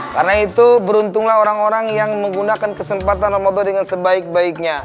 karena itu beruntunglah orang orang yang menggunakan kesempatan ramadan dengan sebaik baiknya